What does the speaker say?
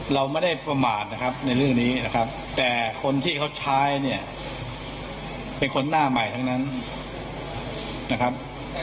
เราไม่ได้ประมาทนะครับในเรื่องนี้นะครับแต่คนที่เขาใช้เนี่ยเป็นคนหน้าใหม่ทั้งนั้นนะครับ